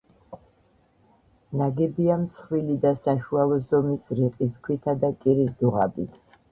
ნაგებია მსხვილი და საშუალო ზომის რიყის ქვითა და კირის დუღაბით.